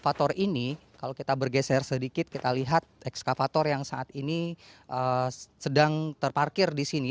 faktor ini kalau kita bergeser sedikit kita lihat ekskavator yang saat ini sedang terparkir di sini